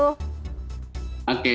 oke selamat malam sehat selalu